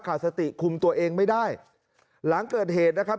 สติคุมตัวเองไม่ได้หลังเกิดเหตุนะครับ